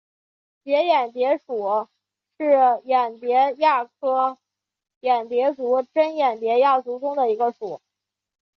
结眼蝶属是眼蝶亚科眼蝶族珍眼蝶亚族中的一个属。